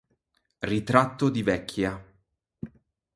Ritratto di vecchia